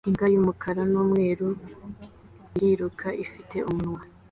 Imbwa y'umukara n'umweru iriruka ifite umunwa